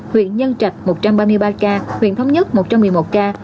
huyện nhân trạch một trăm ba mươi ba ca huyện thống nhất một trăm một mươi một ca